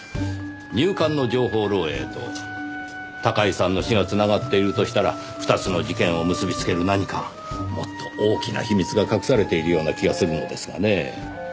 入管の情報漏洩と高井さんの死がつながっているとしたら２つの事件を結びつける何かもっと大きな秘密が隠されているような気がするのですがねぇ。